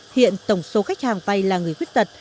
hiện tổng số khách hàng vay là người khuyết tật